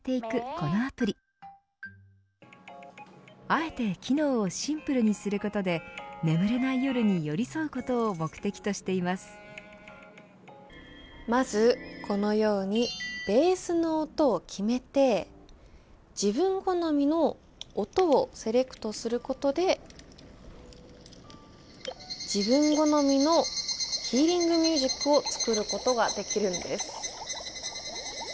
このアプリあえて機能をシンプルにすることで眠れない夜に寄り添うことをまずこのようにベースの音を決めて自分好みの音をセレクトすることで自分好みのヒーリングミュージックを作ることができるんです。